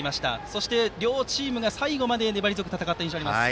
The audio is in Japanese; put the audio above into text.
そして、両チームが最後まで粘り強く戦った印象があります。